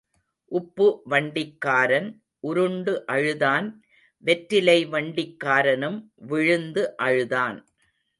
உப்பு வண்டிக்காரன் உருண்டு அழுதான் வெற்றிலை வண்டிக்காரனும் விழுந்து அழுதான்.